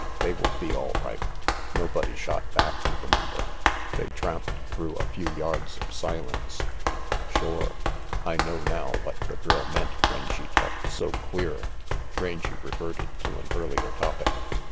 They will be all right. Nobody shot back, you remember." They tramped through a few yards of silence. "Shore, I know now what the girl meant when she talked so queer," Rangy reverted to an earlier topic.